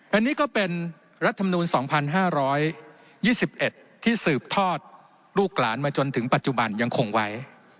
อันนี้ก็เป็นรัฐมนูล๒๕๒๑ที่สืบทอดลูกหลานมาจนถึงปัจจุบันยังคงไว้